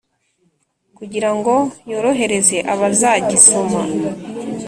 kugira ngo yorohereze abazagisoma